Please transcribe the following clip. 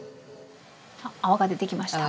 泡が出てきました。